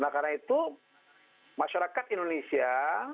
karena itu masyarakat indonesia